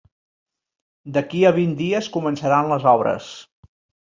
D'aquí a vint dies començaran les obres.